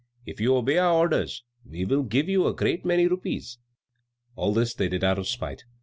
If you obey our orders, we will give you a great many rupees." All this they did out of spite.